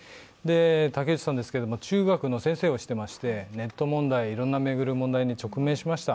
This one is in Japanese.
竹内さんは中学の先生をしてましてネット問題を巡るいろんな問題に直面しました。